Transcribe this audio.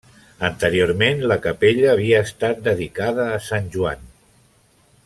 Anteriorment la capella havia estat dedicada a Sant Joan.